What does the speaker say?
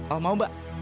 oh mau mbak